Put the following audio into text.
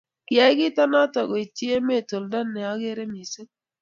kiyai kito noto koitchi emet oldo ne ang'er mising'